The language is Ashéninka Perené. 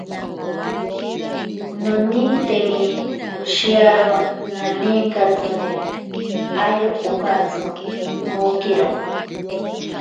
Nonintemi oshiyaro naninkatsiri, airo okantsi nookiro.